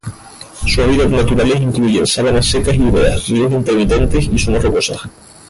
Sus hábitats naturales incluyen sabanas secas y húmedas, ríos intermitentes y zonas rocosas.